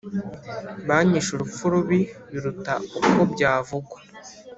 Banyishe urupfu rubi biruta uko byavugwa